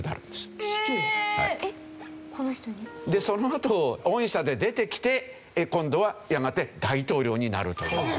そのあと恩赦で出てきて今度はやがて大統領になるという。